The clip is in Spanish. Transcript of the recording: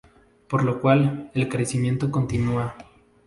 Por lo cual, el crecimiento continúa.